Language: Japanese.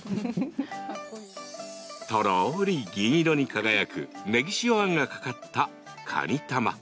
とろり銀色に輝くねぎ塩あんがかかった、かにたま。